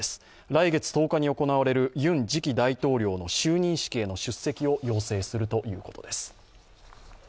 来月１０日に行われるユン次期大統領の就任式への出席を要請するということです。